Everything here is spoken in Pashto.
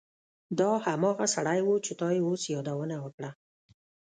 دا هماغه سړی و چې تا یې اوس یادونه وکړه